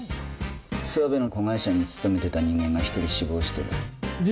諏訪部の子会社に勤めていた人間が１人死亡している。